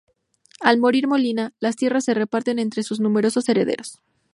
Al morir Molina, las tierras se reparten entre sus numerosos herederos.